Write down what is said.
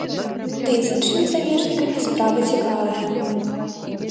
Дый з іншымі замежнікамі справа цікавая.